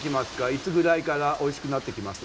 いつぐらいからおいしくなってきます？